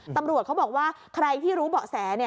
ตำรวจเขาบอกว่าใครที่รู้เบาะแส